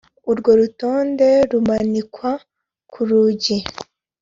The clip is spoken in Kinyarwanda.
urwo rutonde rumanikwa kurugi